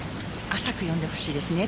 浅く読んでほしいですね。